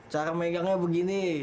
cara megangnya begini